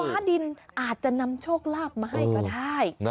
ฟ้าดินอาจจะนำโชคลาภมาให้ก็ได้